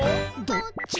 どっち？